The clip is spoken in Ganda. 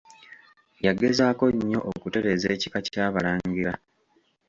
Yageezaako nnyo okutereeza Ekika ky'Abalangira.